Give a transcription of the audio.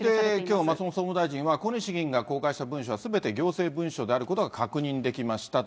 きょう、松本総務大臣が小西議員が公開した文書はすべて行政文書であることが確認できましたと。